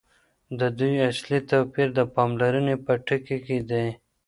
د دوی اصلي توپیر د پاملرني په ټکي کي دی.